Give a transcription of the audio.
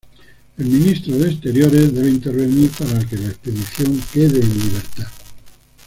El Ministro de Exteriores debe intervenir para que la expedición quede en libertad.